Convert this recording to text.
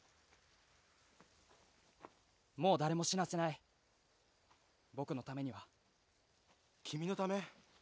もう誰も死なせない僕のためには君のため？